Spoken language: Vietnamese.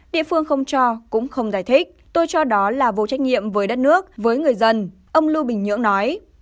địa phương không cho cũng không giải thích tôi cho đó là vô trách nhiệm với đất nước với người dân ông lưu bình nhưỡng nói